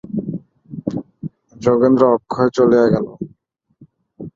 যোগেন্দ্র-অক্ষয় চলিয়া গেল।